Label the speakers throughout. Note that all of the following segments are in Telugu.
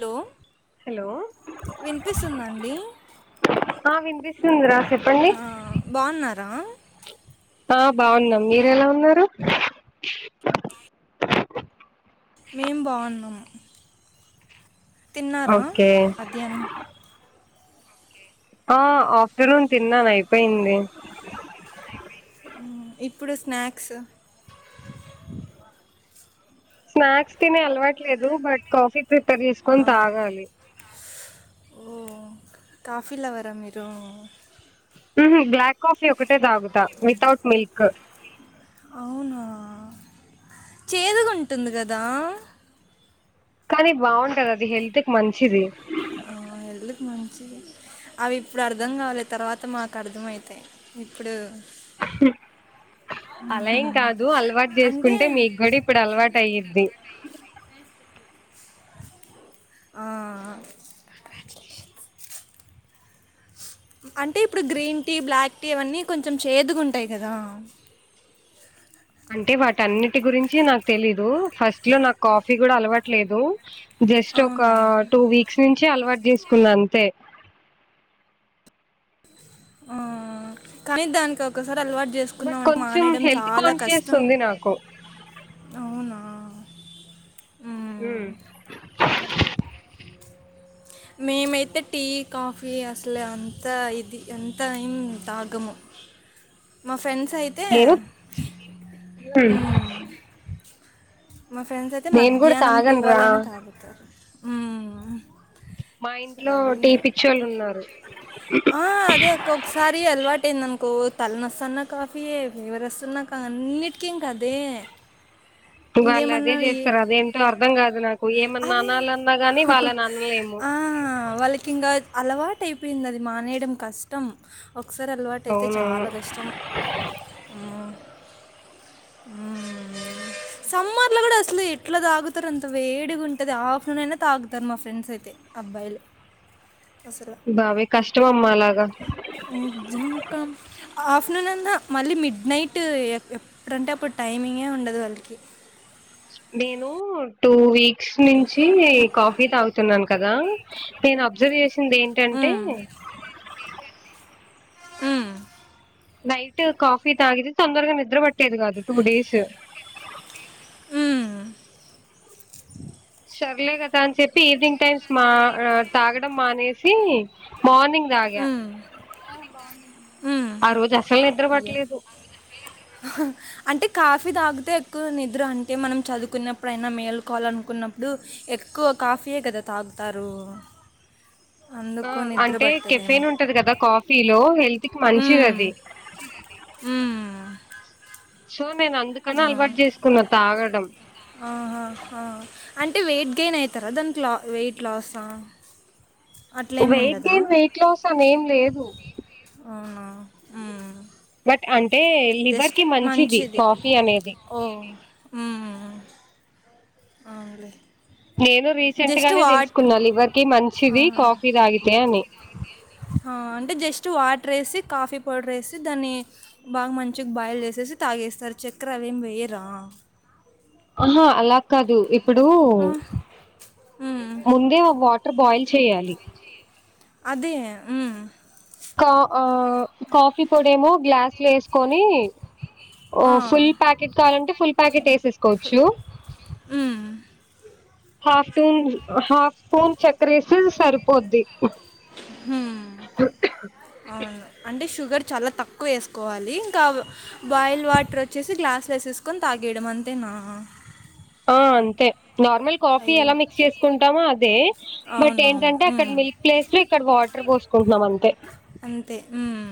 Speaker 1: హలో
Speaker 2: హలో
Speaker 1: వినిపిస్తుందండి
Speaker 2: ఆ వినిపిస్తుంది రా
Speaker 1: ఆ బాగున్నారా
Speaker 2: ఆ బాగున్నాం మీరు ఎలా ఉన్నారు
Speaker 1: మిము బాగున్నాము తిన్నారా
Speaker 2: ఓకే
Speaker 1: మధ్యాహ్నం
Speaker 2: ఆ ఆఫ్టర్నూన్ తిన్నాను అయిపోయింది
Speaker 1: ఇప్పుడు స్నాక్స్
Speaker 2: స్నాక్స్ తినే అలవాటు లేదు బట్ కాఫీ ప్రిపర్ చేసుకొని
Speaker 1: అవును
Speaker 2: తాగాలి
Speaker 1: ఓ కాఫీ లవరా మీరు
Speaker 2: ఉహు బ్లాక్ కాఫీ ఒకటే తాగుతా వితౌట్ మిల్క్
Speaker 1: అవునా చేదుగా ఉంటుంది కదా
Speaker 2: కానీ బాగుంటది అది హెల్త్ కి మంచిది
Speaker 1: ఆ హెల్త్ కు మంచిది అవి ఇప్పుడు అర్థం కావులె తర్వాత మాకు అర్థమయితయి ఇప్పుడు
Speaker 2: హ్ అలా ఏం కాదు అలవాటు
Speaker 1: అంటే
Speaker 2: చేసుకుంటే మీకు కూడా ఇప్పుడు అలవాటు అయ్యిద్ది
Speaker 1: ఆ అంటే ఇప్పుడు గ్రీన్ టీ బ్లాక్ టీ అవన్నీ కొంచెం చేదుగా ఉంటాయి కదా
Speaker 2: అంటే వాటి అన్నిటి గురించి నాకు తెలీదు ఫస్ట్ లో నాకు కాఫీ కూడా అలవాట్లేదు జస్ట్ ఒక
Speaker 1: అవునా
Speaker 2: టూ వీక్స్ నుంచి అలవాటు చేసుకున్న అంతే
Speaker 1: ఆ కానీ దానికి ఒకసారి అలవాటు
Speaker 2: బట్
Speaker 1: చేసుకున్నాం అంటే మానేయడం చాలా కష్టం
Speaker 2: కు
Speaker 1: అవునా
Speaker 2: హ
Speaker 1: మ్మ్. మేమైతే టీ కాఫీ అసలు అంత ఇది ఎంత అయినా తాగము మా ఫ్రెండ్స్ అయితే
Speaker 2: మీరు
Speaker 1: మ్మ్. మా ఫ్రెండ్స్ అయితే
Speaker 2: నేను కూడా
Speaker 1: మధ్యాహ్నం
Speaker 2: తాగను రా
Speaker 1: ట్వల్వ్ అయినా తాగుతారు మ్మ్.
Speaker 2: మా ఇంట్లో టీ పిచ్చోళ్ళు ఉన్నారు
Speaker 1: ఆ అదే అక్క ఒకసారి అలవాటు అయింది అనుకో తలనొస్తున్న కాఫీయే ఫీవర్ వస్తున్నా కా అన్నిటికి ఇంక అదే
Speaker 2: వాళ్ళు అదే
Speaker 1: ఇంకేమన్నా ఈ-
Speaker 2: చేస్తారు అదేంటో అర్థం కాదు నాకు
Speaker 1: అదే
Speaker 2: ఏమన్నాన్నాలన్నా గాని వాళ్ళననలేము
Speaker 1: ఆ వాళ్ళకి ఇంకా అలవాటు అయిపోయింది అది మానేయడం కష్టం కష్టం ఒకసారి అలవాటు అయితే
Speaker 2: అవునవును
Speaker 1: చాలా కష్టం ఆ సమ్మర్ లో కూడా అసలు ఎట్లా తాగుతారు అంత వేడిగా ఉంటది ఆఫ్టర్నూన్ అయినా తాగుతారు మా ఫ్రెండ్స్ అయితే అబ్బాయిలు అసలు
Speaker 2: బాబొయి కష్టం అమ్మా అలాగా
Speaker 1: నిజంకా ఆఫ్టర్నూన్ అన్నా మళ్ళీ మిడ్ నైట్ ఎప్పుడంటే అప్పుడు టైమింగే ఉండదు వాళ్ళకి
Speaker 2: నేను టూ వీక్స్ నుంచి నుంచి కాఫీ తాగుతున్నాను కదా నేను అబ్జర్వ్ చేసింది ఏంటంటే
Speaker 1: ఆ
Speaker 2: నైట్ కాఫీ తాగితే తొందరగ నిద్ర పట్టేది కాదు టూ డేస్
Speaker 1: ఆ
Speaker 2: సర్లే కదా అని చెప్పి ఈవినింగ్ టైమ్స్ మా ఆ తాగడం మానేసి మార్నింగ్ తాగ
Speaker 1: కానీ కానీ
Speaker 2: ఆ రోజు అసలు నిద్ర పట్టలేదు
Speaker 1: అంటే కాఫీ తాగితే ఎక్కువ నిద్ర అంటే మనం చదువుకున్నప్పుడైనా మేలుకోవాలనుకున్నప్పుడు అప్పుడు ఎక్కువ కాఫీయే కదా తాగుతారు
Speaker 2: ఆ
Speaker 1: అందుకు నిద్ర
Speaker 2: అంటే
Speaker 1: పట్టదేమో
Speaker 2: కెఫేన్ ఉంటది కదా కాఫీలో హెల్త్ కి మంచిది
Speaker 1: మ్మ్.
Speaker 2: అది
Speaker 1: మ్మ్.
Speaker 2: సో నేను అందుకని
Speaker 1: ఆ.
Speaker 2: అలవాటు చేసుకున్న తాగడం
Speaker 1: ఆహా హ అంటే వెయిట్ గెయిన్ అయితరా దానికి లా వెయిట్ లాసా అట్లేం
Speaker 2: వెయిట్
Speaker 1: ఉండదా
Speaker 2: గెయిన్ వెయిట్ లాస్ అని ఏం లేదు
Speaker 1: అవునా మ్మ్.
Speaker 2: బట్ అంటే లివర్ కి మంచిది కాఫీ అనేది
Speaker 1: ఓ ఉమ్ అవును లే
Speaker 2: నేను రీసెంట్ గానే తెలుసుకున్న లివర్కి మంచిది
Speaker 1: వాటర్
Speaker 2: కాఫీ తాగితే అని
Speaker 1: హా అంటే జస్ట్ వాటర్ వేసి కాఫీ పౌడర్ వేసి దాన్ని బాగ్ మంచిగా బాయిల్ చేసేసి తాగేస్తారు చక్కెర అవేమి వేయరా
Speaker 2: ఆహా అలా కాదు ఇప్పుడు
Speaker 1: ఆ, ఉమ్,
Speaker 2: ముందే వాటర్ బాయిల్ చేయాలి
Speaker 1: అదే ఊ
Speaker 2: కా ఆ కాఫీ పొడేమో గ్లాస్లు వేసుకొని ఓ
Speaker 1: ఆ,
Speaker 2: ఫుల్ ప్యాకెట్ కావాలంటే ఫుల్ ప్యాకెట్ వేసేసుకోవచ్చు
Speaker 1: ఉమ్,
Speaker 2: హాఫ్ టూన్ హాఫ్ స్పూన్ క్రిసిల్ సరిపోద్ది
Speaker 1: ఉమ్, అవును అంటే షుగర్ చాలా తక్కువ వేసుకోవాలి ఇంకా బాయిల్ వాటర్ వచ్చేసి గ్లాస్ వేసేసు కొని తాగేయడం అంతేనా
Speaker 2: ఆ అంతే నార్మల్ కాఫీ
Speaker 1: అయ్యో
Speaker 2: ఎలా మిక్స్ చేసుకుంటామో అదే బట్
Speaker 1: అవునవును
Speaker 2: ఏంటంటే అక్కడ
Speaker 1: ఉమ్,
Speaker 2: మిల్క్ ప్లేస్ లో ఇక్కడ వాటర్ పోసుకుంటున్నాం అంతే
Speaker 1: అంతే హ్మ్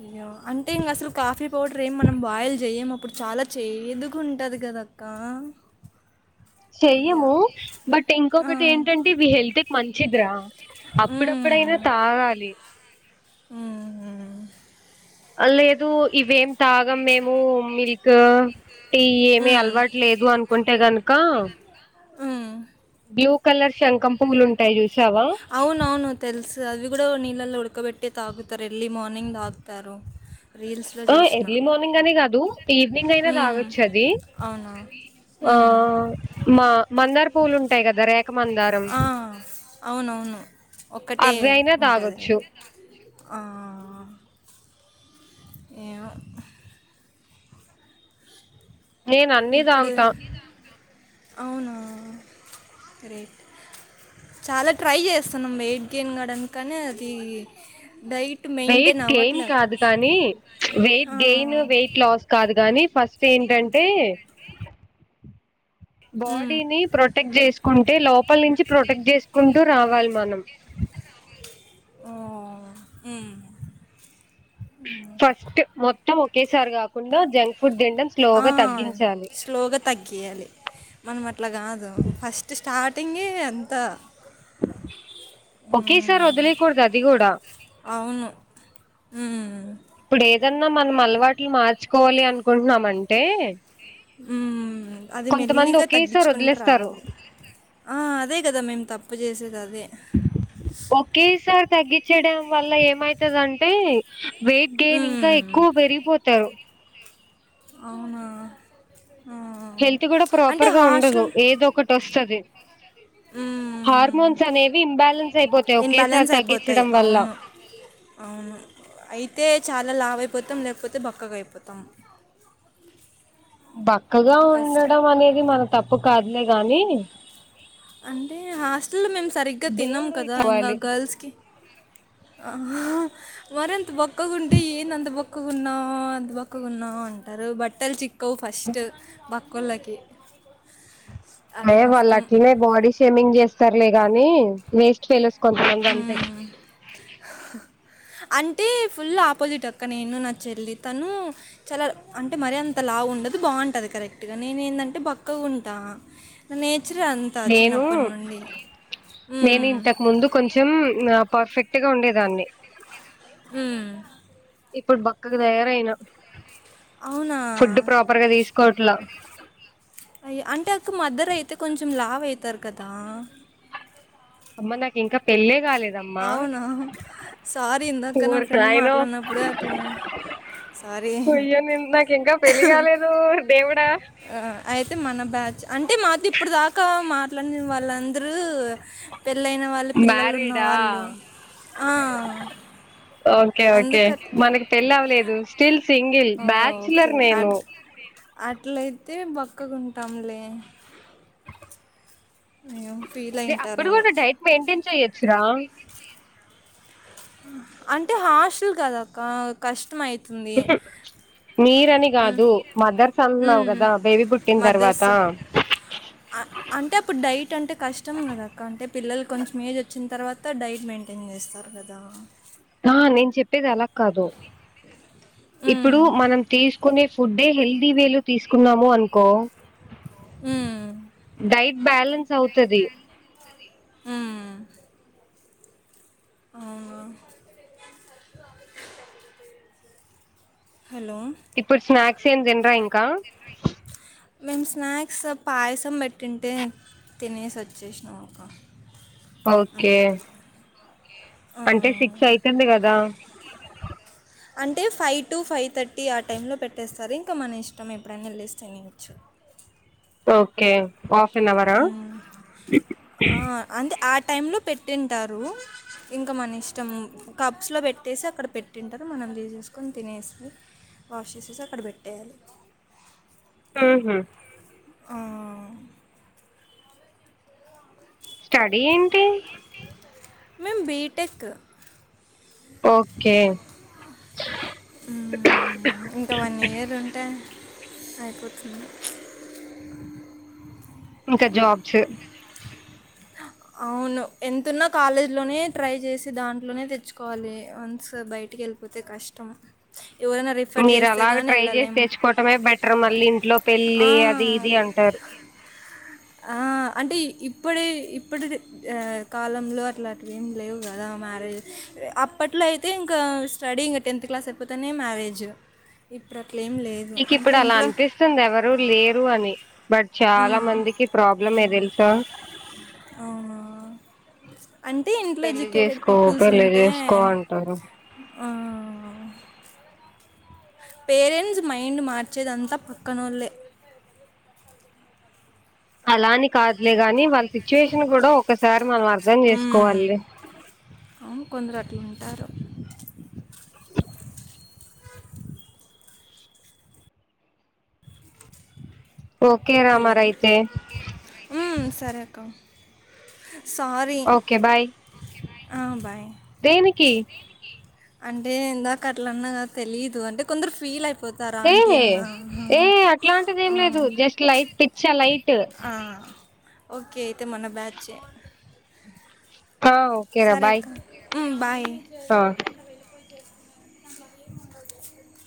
Speaker 1: అయ్యో అంటే ఇంక అసలు కాఫీ పౌడర్ ఏం మనం బాయిల్ చేయము అప్పుడు చాలా చేదుగ ఉంటది కదా కా
Speaker 2: చెయ్యము బట్
Speaker 1: ఆ,
Speaker 2: ఇంకొకటి ఏంటంటే హెల్త్ కి మంచిదిరా
Speaker 1: ఉమ్,
Speaker 2: అప్పుడప్పుడైనా తాగాలి
Speaker 1: హ్మ్ హు
Speaker 2: లేదు ఇవేం తాగం మేము మిల్క్ టీ ఏమి అలవాటులేదు అనుకుంటే గనుక
Speaker 1: ఉమ్.
Speaker 2: బ్లూ కలర్ శంఖం పువ్వులు ఉంటాయి చూసావా
Speaker 1: అవునవును తెల్సు అవి కూడా నీళ్లలో ఉడ్కబెట్ట తాగుతారు ఎర్లీ మార్నింగ్ తాగుతారు రీల్స్లో
Speaker 2: ఆ
Speaker 1: చూసిన
Speaker 2: ఎర్లీ మార్నింగ్ అని కాదు ఈవినింగ్ అయినా
Speaker 1: ఉమ్,
Speaker 2: తాగొచ్చు అది
Speaker 1: అవునా
Speaker 2: ఆ
Speaker 1: ఉమ్,
Speaker 2: మా మందార పూలు ఉంటాయి కదా రేఖ మందారం
Speaker 1: ఆ, అవునవును ఒక్కటే
Speaker 2: అవి అయినా
Speaker 1: ఉంటది
Speaker 2: తాగొచ్చు
Speaker 1: అది ఆ ఏమో
Speaker 2: నేను అన్ని
Speaker 1: ఇప్పుడు
Speaker 2: తాగుతా
Speaker 1: అవునా రేట్ చాలా ట్రై చేస్తున్నాం వెయిట్ గెయిన్ కాడానికనీ అది డైట్
Speaker 2: వెయిట్
Speaker 1: మెయింటైన్
Speaker 2: గెయిన్
Speaker 1: అవ్వట్లేక
Speaker 2: కాదు కానీ ప్చ్ వెయిట్
Speaker 1: ఆ,
Speaker 2: గెయిన్ వెయిట్ లాస్ కాదు గాని ఫస్ట్ ఏంటంటే
Speaker 1: ఉమ్,
Speaker 2: బాడీని ప్రొటెక్ట్ చేసుకుంటే లోపల నుంచి ప్రొటెక్ట్ చేసుకుంటూ రావాలి మనం
Speaker 1: ఓ హ్మ్
Speaker 2: ఫస్ట్ మొత్తం ఒకేసారి కాకుండా జంక్ ఫుడ్ తినడం
Speaker 1: ఆ,
Speaker 2: స్లోగా తగ్గించాలి
Speaker 1: స్లోగా తగ్గియాలి మనం అట్లా కాదు ఫస్ట్ స్టార్టింగే అంత
Speaker 2: ఒకే
Speaker 1: ఉమ్,
Speaker 2: సారి వదిలెకూడదు అది కూడా
Speaker 1: అవును ఉమ్,
Speaker 2: ఇప్పుడు ఏదన్నా మనం అలవాట్లు మార్చుకోవాలి అనుకుంటున్నామంటే.
Speaker 1: హ్మ్ అది
Speaker 2: కొంతమంది
Speaker 1: మెల్లిగా
Speaker 2: ఒకేసారి
Speaker 1: తగ్గించుకుంటు
Speaker 2: వదిలేస్తారు
Speaker 1: రావాలి. ఆ అదే కదా మేము తప్పు చేసేది అదే.
Speaker 2: ఓకే సారి తగ్గించడం వల్ల ఏమైతదంటే వెయిట్ గెయిన్ ఇంకా
Speaker 1: ఉమ్.
Speaker 2: ఎక్కువ పెరిగిపోతు తో
Speaker 1: ఆ
Speaker 2: హెల్త్ కూడా
Speaker 1: అంటే
Speaker 2: ప్రాపర్గా ఉండదు
Speaker 1: హాస్టల్
Speaker 2: ఏదో ఒకటి వస్తది.
Speaker 1: మ్మ్.
Speaker 2: హార్మోన్స్ అనేవి ఇంబాలెన్స్ అయిపోతాయి ఒకేసారి
Speaker 1: ఇన్బ్యాలెన్స్ అయిపోతాయి
Speaker 2: తగ్గించడం వల్ల.
Speaker 1: అవును అవును అయితే చాలా లావ అయిపోతాం లేకపోతే బక్కగా అయిపోతాం.
Speaker 2: బక్కగా
Speaker 1: కష్టం
Speaker 2: ఉండడం అనేది మన తప్పు కాదులే గాని.
Speaker 1: అంటే హాస్టల్ లో మేము సరిగ్గా తిన్నాం
Speaker 2: దేవుడు
Speaker 1: కదా ఇంకా
Speaker 2: ఇచ్చుకోవాలి
Speaker 1: గర్ల్స్ కి. అ మరి అంత బక్కకు ఉంటే ఏంది అంత బక్కకున్నావ్ అంత బక్కకున్నావ్ అంటారు బట్టలు చిక్. కువ ఫస్ట్ బక్కొల్లకి
Speaker 2: అయ వాళ్ళు అట్లనే బాడీ షేమింగ్ చేస్తారులే గాని వేస్ట్ ఫెలోస్ కొంతమంది అంతే.
Speaker 1: మ్మ్. అంటే ఫుల్ ఆపోజిట్ అక్క నేను నా చెల్లి తను. చాలా అంటే మరి అంత లావు ఉండదు బాగుంటంది కరెక్ట్గా నేను ఏంటంటే బక్కగా ఉంటా నేచరే అంత
Speaker 2: నేను
Speaker 1: చిన్నప్పటి నుండి ఊ.
Speaker 2: నేను ఇంతకు ముందు కొంచెం పర్ఫెక్ట్గా ఉండేదాన్ని.
Speaker 1: అ
Speaker 2: ఇప్పుడు బక్కక తయారయినా
Speaker 1: అవునా
Speaker 2: ఫుడ్ ప్రాపర్ గా తీసుకోవట్లా.
Speaker 1: అయ అంటే అకు మదర్ అయితే కొంచెం లావ్ అయితారు కదా.
Speaker 2: అమ్మ నాకు ఇంకా పెళ్ళ కాలేదమ్మ.
Speaker 1: అవునా సారీ ఇందాక నా
Speaker 2: ఓరి
Speaker 1: ఫ్రెండ్
Speaker 2: నాయనో
Speaker 1: మాట్లాడినప్పుడే అట్లా సారీ
Speaker 2: అయ్యో నేను నాకు ఇంకా పెళ్లి కాలేదు ఓరి దేవుడా.
Speaker 1: అయితే మన బ్యాచ్ అంటే మాది ఇప్పుడు దాకా మాట్లాడిన వాళ్ళందరూ పెళ్ళయిైన వాళ్ళు పిల్లలు
Speaker 2: మ్యారీడా
Speaker 1: ఉన్నవాళ్ళు ఆ
Speaker 2: ఓకే ఓకే
Speaker 1: అందుక
Speaker 2: మనకి పెళ్లి అవ్వలేదు స్టిల్ సింగిల్
Speaker 1: ఓకే
Speaker 2: బ్యాచులర్
Speaker 1: అ
Speaker 2: నేను
Speaker 1: అట్లయితే బక్కకుంటాంలే అయ్యో ఫీల్
Speaker 2: అప్పుడు
Speaker 1: అయింటారేమో
Speaker 2: కూడా డైట్ మెయింటైన్ చెయ్యొచ్చురా.
Speaker 1: అంటే హాస్టల్ కదక్క
Speaker 2: మీరని కాదు మదర్స్ అన్నావు
Speaker 1: ఉమ్,
Speaker 2: కదా బేబీ పుట్ తర్వాత
Speaker 1: మదర్స్ అంటే అప్పుడు డైట్ అంటే కష్టం కదక్క అంటే పిల్లలు కొంచెం ఏజ్ వచ్చిన తర్వాత. అంత డైట్ మెయింటైన్ చేస్తారు కదా.
Speaker 2: ఆ నేను చెప్పేది అలా కాదు. ఇప్పుడు
Speaker 1: ఉమ్.
Speaker 2: మనం తీసుకునే ఫుడే హెల్దీ వేలు తీసుకున్నాము అనుకో.
Speaker 1: హ్మ్.
Speaker 2: డైట్ బ్యాలెన్స్ అవుతది.
Speaker 1: హమ్ అవునా హలో
Speaker 2: ఇప్పుడు స్నాక్స్ ఏం తినరా ఇంకా
Speaker 1: మేము స్నాక్స్ పాయసం పెట్టింటే తినేసి వచ్చేసినామక్క.
Speaker 2: ఓకే
Speaker 1: ఆ!
Speaker 2: అంటే సిక్స్ అయితుంది కదా
Speaker 1: అంటే ఫైవ్ టు ఫైవ్ థర్టీ ఆ టైంలో పెట్టేస్తారు ఇంకా మన ఇష్టం ఎప్పుడైనా వెళ్ళిసి తినేయోచ్చు
Speaker 2: ఓకే హాఫ్ అన్ అవరా
Speaker 1: హ్మ్. ఆ అంటే ఆ టైమ్లో పెట్టుంటారు ఇంకా మన ఇష్టం కప్స్లో పెట్టేసి అక్కడ పెట్టింటారు మనం తీసేసుకొని తినేసి వాష్ చేసేసి అక్కడ పెట్టేయాలి
Speaker 2: ఊహు
Speaker 1: ఆ
Speaker 2: స్టడీ ఏంటి
Speaker 1: మేమ్ బీటెక్
Speaker 2: ఓకే
Speaker 1: ఉమ్ ఇంకా వన్ ఇయర్ ఉంటే అయిపోతుంది
Speaker 2: ఇంకా జాబ్స్
Speaker 1: అవును ఎంతున్న కాలేజీలోనే ట్రై చేసి దాంట్లోనే తెచ్చుకోవాలి వన్స్ బయటికెళ్ళి పోతే కష్టం ఎవరైనా రీఫ్
Speaker 2: మీరు అలాగ ట్రై చేసి తెచ్చుకోవటమే బెటర్ మళ్ళీ ఇంట్లో
Speaker 1: ఆ,
Speaker 2: పెళ్లి అది ఇది అంటారు
Speaker 1: ఆ అంటే ఇప్పుడే ఇప్పటి కాలంలో అట్లట్ల ఏమి లేవు కదా మ్యారేజ్ అప్పట్లో అయితే ఇంకా స్టడీఇంగ్ టెన్త్ క్లాస్ అయిపోతేనే మ్యారేజ్ ఇప్పుడు అట్ల ఏం లేదు
Speaker 2: నీకు
Speaker 1: అంటే
Speaker 2: ఇప్పుడు అలా
Speaker 1: ఇంట్లో
Speaker 2: అనిపిస్త పిస్తుంది ఎవరు లేరు అని బట్ చాలా
Speaker 1: మ్మ్.
Speaker 2: మందికి ప్రాబ్లమే తెలుసా
Speaker 1: అవునా అంటే ఇంట్లో
Speaker 2: పెళ్లి
Speaker 1: ఎడ్యుకేటెడ్
Speaker 2: చేసుకో
Speaker 1: పీపుల్స్
Speaker 2: పెళ్లి
Speaker 1: ఉంటే
Speaker 2: చేసుకో అంటారు
Speaker 1: ఆ పేరెంట్స్ మైండ్ మార్చేదంతా పక్కనోళ్లే
Speaker 2: అలాని కాదులే గాని వాళ్ళ సిచ్యువేషన్ కూడా ఒకసారి మనం అర్ధం
Speaker 1: మ్మ్.
Speaker 2: చేసుకోవాలిలే
Speaker 1: అవును కొందరు అట్ల ఉంటారు
Speaker 2: ఓకేరా మరైతే
Speaker 1: ఊ సరే అక్క సారీ
Speaker 2: ఓకే బాయ్
Speaker 1: ఆ బాయ్
Speaker 2: దేనికి
Speaker 1: అంటే ఇందాక అట్లన్నాకదా తెలీదు అంటే కొందరు ఫీల్ అయితరు పోతారు
Speaker 2: ఏ
Speaker 1: ఆంటీ అన్నా
Speaker 2: ఏ అట్లాంటిది ఏం లేదు జస్ట్ లైట్ పిచ్చ లైట్
Speaker 1: ఆ ఓకే అయితే మన్న బ్యాచేయే
Speaker 2: అ
Speaker 1: సరే అక్క ఊ బాయ్
Speaker 2: ఆ
Speaker 1: టంలాే మండలు